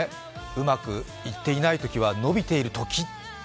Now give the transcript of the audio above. うまくいっていないときは伸びているとき。